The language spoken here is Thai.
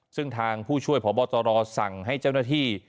ซึ่งทางผู้ช่วยพบตรสั่งให้เจ้าหน้าที่